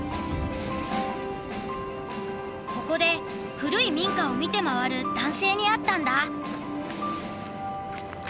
ここで古い民家を見て回る男性に会ったんだ。